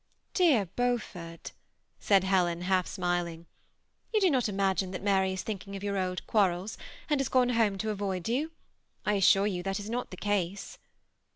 " Dear Beaufort," said Helen, half smiling, " you do not imagine that Mary is thinking of your old quarrels, and has gone home to avoid you. I assure you that is not the case."